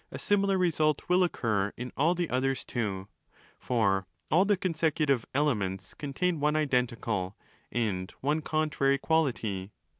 A similar result will occur in all the others too: for all the consecutive 'elements' contain one identical, and one contrary, quality.?